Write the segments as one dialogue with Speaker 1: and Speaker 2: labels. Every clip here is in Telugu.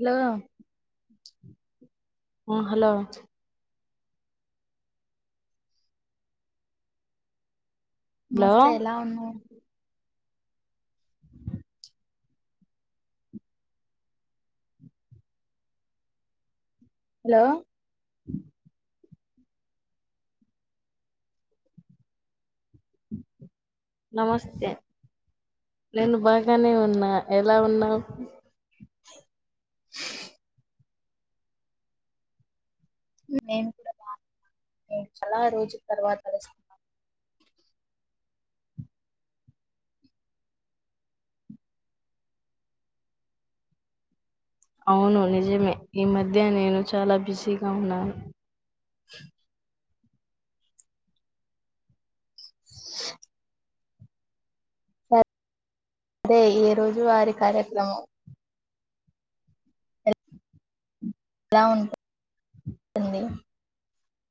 Speaker 1: హలో
Speaker 2: ఆ హలో హలో
Speaker 1: నమస్తే ఎలా ఉన్నావ్ హలో
Speaker 2: నమస్తే నేను బాగానే ఉన్నా ఎలా ఉన్నావ్
Speaker 1: నేను కూడా బా నేను చాలా రోజుల తర్వాత [unintelligible]
Speaker 2: అవును నిజమే ఈ మధ్య నేను చాలా బిజీగా ఉన్నాను
Speaker 1: స దే ఏ రోజు వారి కార్యక్రమం ఎలా ఉంటుంది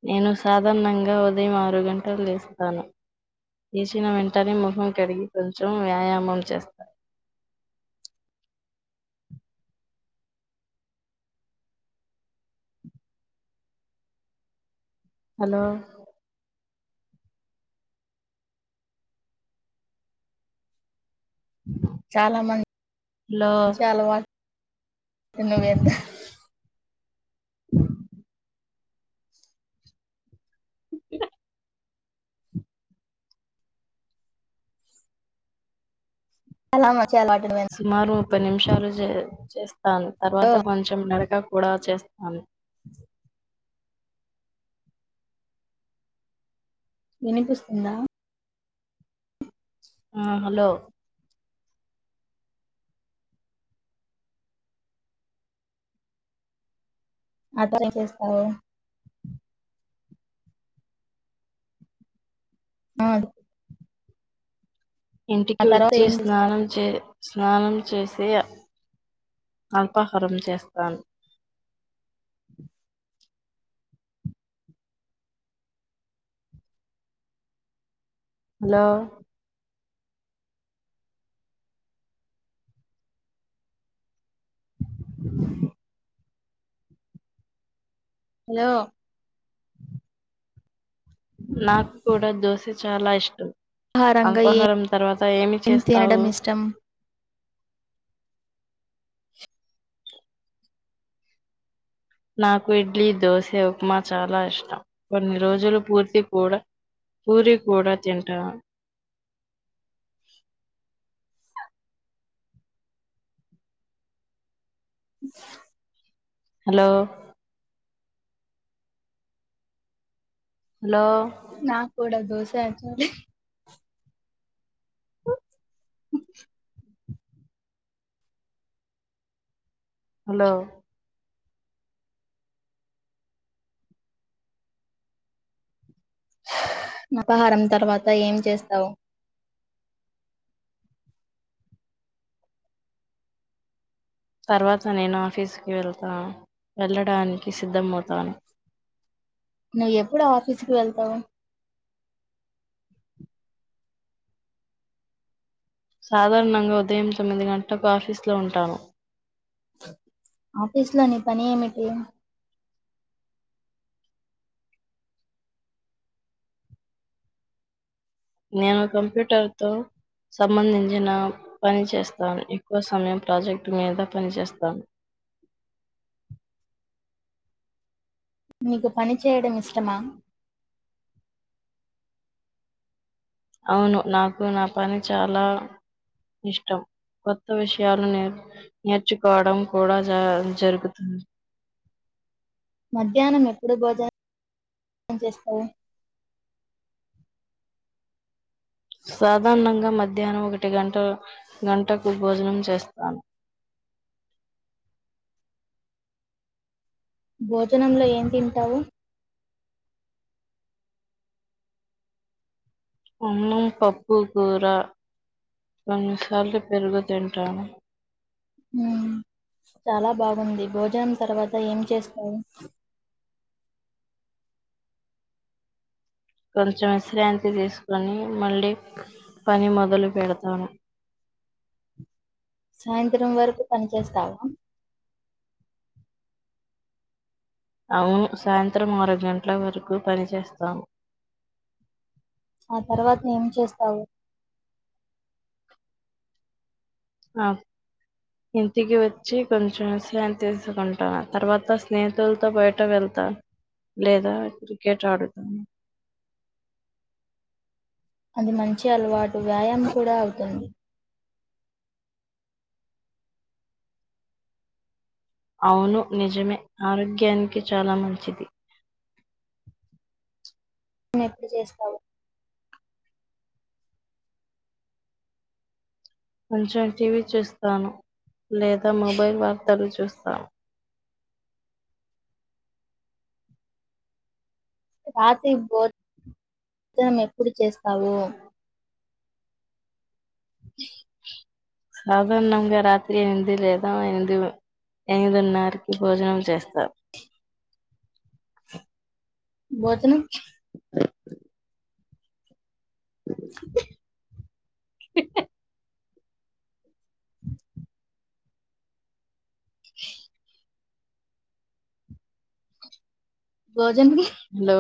Speaker 2: నేను సాధారణంగా ఉదయం ఆరు గంటలు లేస్తాను లేసిన వెంటనే మొహం కడిగి కొంచెం వ్యాయామం చేస్తా హలో
Speaker 1: చాలా
Speaker 2: హలో
Speaker 1: మంచి అలవా త నువ్ ఎంత చాలా మ
Speaker 2: సుమారు ముప్పై నిమిషాలు జే చేస్ ద తర్వాత కొంచెం నడక కూడా చేస్తాను
Speaker 1: వినిపిస్తుందా
Speaker 2: ఆ హలో
Speaker 1: ఆతరా ఎం చేస్తావు ఆ ఆ
Speaker 2: ఇంటికి
Speaker 1: తర్వాత
Speaker 2: వచ్చి
Speaker 1: ఏం చేస్తావు
Speaker 2: స్నానం చే స్నానం చేసి అల్పాహారం చేస్తాను హలో
Speaker 1: హలో
Speaker 2: నాకు కూడా దోసె చాలా ఇష్టం
Speaker 1: ఆహారంగా
Speaker 2: అల్పాహారం తర్వాత ఏమి
Speaker 1: ఏం
Speaker 2: చేస్తావు
Speaker 1: తినడం ఇష్టం
Speaker 2: నాకు ఇడ్లీ దోశ ఉప్మా చాలా ఇష్టం కొన్ని రోజులు పూర్తి కూడా పూరి కూడా తింటా హలో హలో
Speaker 1: నాక్కూడ దోశ చా
Speaker 2: హలో
Speaker 1: నపాహారం తర్వాత ఏం చేస్తావ్.
Speaker 2: తర్వాత నేను ఆఫీస్కి వెళ్తా వెళ్ళడానికి సిద్ధమౌతాను.
Speaker 1: నువ్ ఎప్పుడు ఆఫీస్కి వెళ్తావ్.
Speaker 2: సాధార్ణంగ ఉదయం తొమ్మిది గంటకు ఆఫీస్లో ఉంటాను.
Speaker 1: ఆఫీస్లో నీ పని ఏమిటి.
Speaker 2: నేను కంప్యూటర్ తో సంబంధించిన పని చేస్తాను ఎక్కువ సమయం ప్రాజెక్ట్ మీద పని చేస్తాను.
Speaker 1: నీకు పని చెయ్యడమిష్టమా.
Speaker 2: ఔను నాకు నా పని చాలా ఇష్టం కొత్త విషయాలు నేర్ నేర్చుకోవడం కూడా జా జరుగుతుంది.
Speaker 1: మధ్యానం ఎప్పుడు భోజన మ్ చేస్తావు.
Speaker 2: సాధార్ణంగ మధ్యాహ్నం ఒకటి గంట్ గంటకు భోజనం చేస్తాను.
Speaker 1: భోజనంలొ ఏం తింటావు.
Speaker 2: అన్నం పప్పు కూర కొన్నిసార్లు పెరుగు తింటాను.
Speaker 1: ఉమ్ చాలా బాగుంది. భోజనం తర్వాత ఏం చేస్. ఉమ్
Speaker 2: కొంచెమిశ్రాంతి దీస్కొని మళ్ళి పని మొదలు పెడతాను.
Speaker 1: సాయంత్రం వరకు పని చేస్తావా.
Speaker 2: ఔను సాయంత్రం ఆరుగంట్ల వరకు పని చేస్తాను.
Speaker 1: ఆ తర్వాత ఏం చేస్తావు.
Speaker 2: ఆ ఇంటికి వచ్చి కొంచెం యిశ్రాంతి తీసుకుంటాను తర్వాత స్నేహితుల్తో బయట వెళ్తాను లేదా క్రికెట్ ఆడుతాను.
Speaker 1: అది మంచి అలువా. వ్యాయామ్ కూడా ఔతుంది.
Speaker 2: ఔను నిజమె ఆరోగ్యాన్కి చాలా మంచిది.
Speaker 1: నెప్పుడు చేస్తావు.
Speaker 2: కొంచెం టీవీ చూస్తాను. లేద మొబైల్ వార్తలు చూస్. స
Speaker 1: రాత్రి భో జనం ఎప్పుడు చేస్తావు. ఆ
Speaker 2: సాధార్ణంగా రాత్రి ఎనిమిది లేదా ఎనిమ్ది ఎనిమిదున్నర్కి భోజనం చేస్తా.
Speaker 1: బోజ్ [unintelligible]
Speaker 2: స
Speaker 1: ఆ బో
Speaker 2: హలో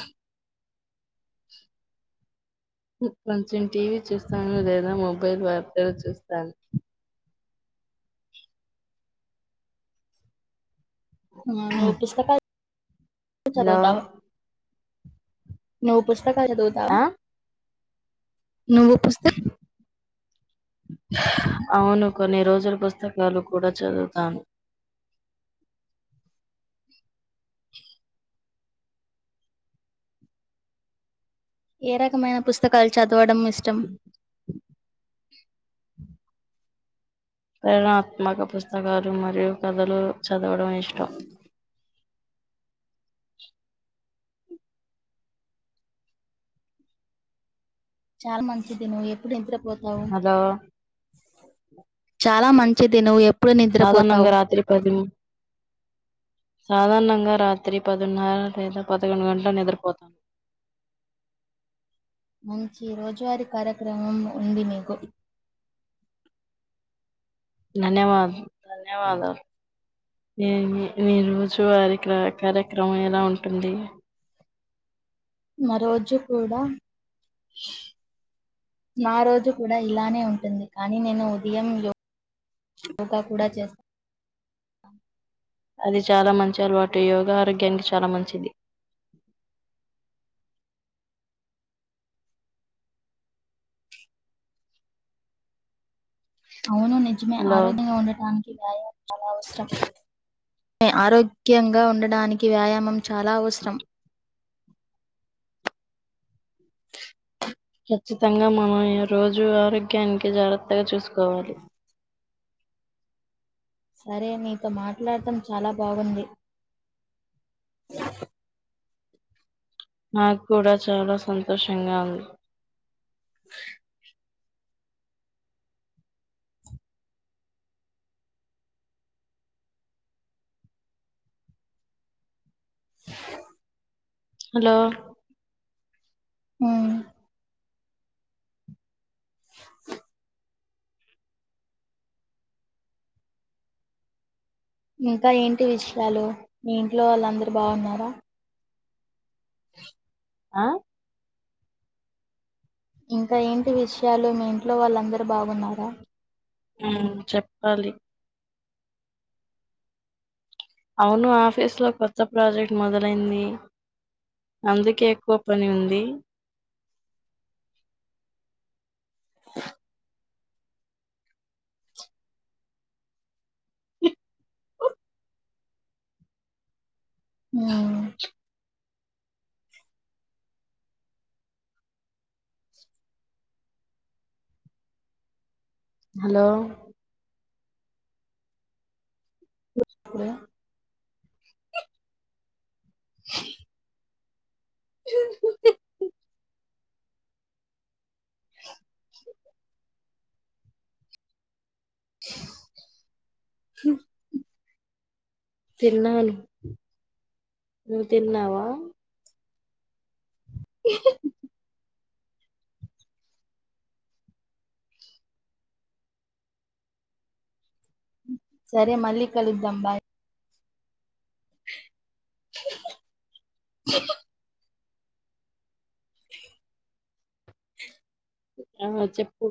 Speaker 2: ఆ హ్మ్ కొంచెం టీవీ చూస్తాను లేదా మొబైల్ వార్తలు చూస్తాను.
Speaker 1: అ నువ్ పుస్తకాల్ [unintelligible]
Speaker 2: హలో!
Speaker 1: చదువుతావ నువ్వు పస్ ప్రకాశదుతా
Speaker 2: ఆ?
Speaker 1: నువ్వు పుస్త
Speaker 2: అవును కొన్ని రోజులు పుస్తకాలు కూడా చదువుతాను
Speaker 1: ఏ రకమైన పుస్తకాలు చదు వడం ఇష్టం
Speaker 2: ప్రేరణాత్మక పుస్తకాలు మరియు కథలు చదవడం ఇష్టం
Speaker 1: చాలా మంచిది నువ్వు ఎప్పుడు నిద్ర పోతావు
Speaker 2: బ
Speaker 1: చాలా మంచిది నువ్వు ఎప్పుడు నిద్రపోతావు
Speaker 2: సాధారణంగా రాత్రి ంగా రాత్రి పదన్నర లేదా పదకొండు గంటలు నిద్రపోతాను
Speaker 1: మంచి రోజువారీ కార్యక్రమం ఉంది మీకు
Speaker 2: ధన్యవాద ధన్యవాదాలు న నీ రోజు వారి క కార్యక్రమం ఎలా ఉంటుంది
Speaker 1: న రోజు కూడా నా రోజు కూడా ఇలానే ఉంటుంది కానీ నేను ఉదయం యో ఇంకా కూడా చేస్తా అ
Speaker 2: అది చాలా మంచి అలవాటు యోగ ఆరోగ్యానికి చాలా మంచిది
Speaker 1: అవును నిజమే
Speaker 2: హలో
Speaker 1: ఆరోగ్యంగా ఉండటానికి కి నాయా అనవసరం ఆరోగ్యంగా ఉండడానికి వ్యాయామం చాలా అవసరం
Speaker 2: ఖచ్చితంగా మనం ఈ రోజు ఆరోగ్యానికి జాగ్రత్తగా చూసుకోవాలి
Speaker 1: సరే నీతో మాట్లాడటం చాలా బాగుంది
Speaker 2: నాకు కూడా చాలా సంతోషంగా ఉంది హలో
Speaker 1: ఆ ఇంకా ఏంటి విషయాలు మీ ఇంట్లో వాళ్ళందరు బాగున్నారా
Speaker 2: ఆ
Speaker 1: ఇంకా ఏంటి విషయాలు మీ ఇంట్లో వాళ్ళందరు బాగున్నారా
Speaker 2: ఆ చెప్పాలి అవును ఆఫీస్ లో కొత్త ప్రాజెక్ట్ మొదలైంది అందుకే ఎక్కువ పని ఉంది
Speaker 1: ఆ
Speaker 2: హలో
Speaker 1: ఏ
Speaker 2: [inaudible] [inaudible]
Speaker 1: [unintelligible]
Speaker 2: హ [inaudible] తిన్నాను
Speaker 1: [inaudible]
Speaker 2: నువ్వు తిన్నావా
Speaker 1: [unintelligible] సరే మళ్ళీ కలుద్దాం బాయ్
Speaker 2: [inaudible]
Speaker 1: స
Speaker 2: ఆ చెప్పు